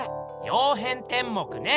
「曜変天目」ね。